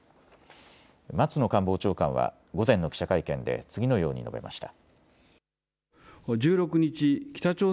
松野官房長官は午前の記者会見で次のように述べました。